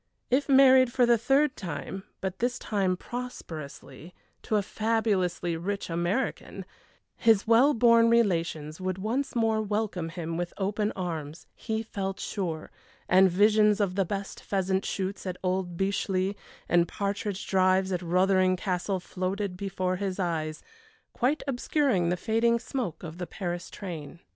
If married for the third time but this time prosperously, to a fabulously rich American his well born relations would once more welcome him with open arms, he felt sure, and visions of the best pheasant shoots at old Beechleigh, and partridge drives at Rothering Castle floated before his eyes, quite obscuring the fading smoke of the Paris train.